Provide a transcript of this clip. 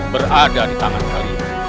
berada di tangan kalian